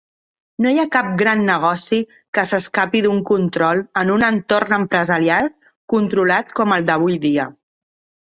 No hi ha cap gran negoci que s'escapi d'un control en un entorn empresarial controlat com el d'avui dia.